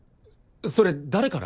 それ誰から？